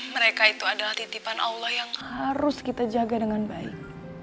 mereka itu adalah titipan allah yang harus kita jaga dengan baik